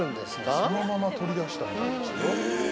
◆そのまま取り出したみたいですよ。